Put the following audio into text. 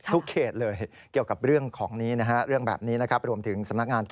ทุกเขตเลยเกี่ยวกับเรื่องของนี้นะฮะ